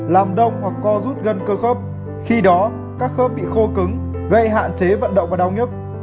làm đông hoặc co rút gần cơ khớp khi đó các khớp bị khô cứng gây hạn chế vận động và đau nhức